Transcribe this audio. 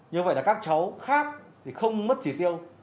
như vậy là các cháu khác thì không mất chỉ tiêu